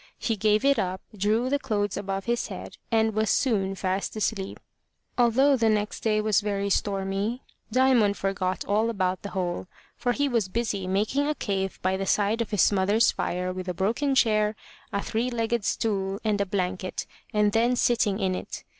He gave it up, drew the clothes above his head, and was soon fast asleep. Although the next day was very stormy, Diamond forgot all about the hole, for he was busy making a cave by the side of his mother's fire with a broken chair, a three legged stool, and a blanket, and then sitting in it.